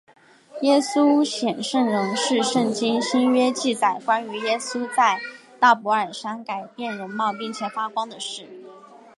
耶稣显圣容是圣经新约记载关于耶稣在大博尔山改变容貌并且发光的事。